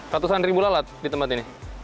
ratusan ribu lalat di tempat ini